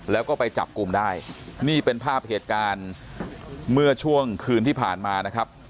แล้วก็ไปจับกลุ่มได้นี่เป็นภาพเหตุการณ์เมื่อช่วงคืนที่ผ่านมานะครับ